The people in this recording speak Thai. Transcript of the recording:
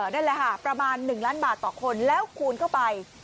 นั่นแหละค่ะประมาณ๑ล้านบาทต่อคนแล้วคูณเข้าไป